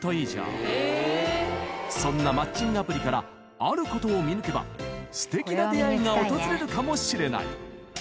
［そんなマッチングアプリからあることを見抜けばすてきな出会いが訪れるかもしれない］